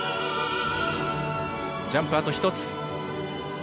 ジャンプあと１つ。